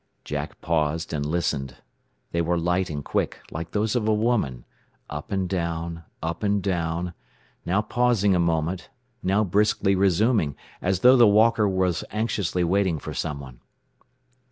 Jack paused and listened. They were light and quick, like those of a woman up and down, up and down, now pausing a moment, now briskly resuming, as though the walker was anxiously waiting for someone.